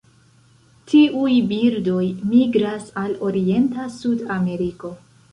Tiuj birdoj migras al orienta Sudameriko.